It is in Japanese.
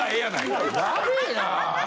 やべぇな。